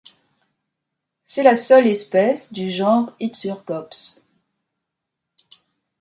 C'est la seule espèce du genre Histurgops.